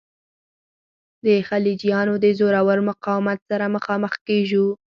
د خلجیانو د زورور مقاومت سره مخامخ کیږو.